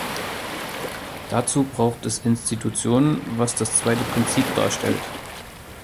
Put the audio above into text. Dazu braucht es Institutionen, was das zweite Prinzip darstellt.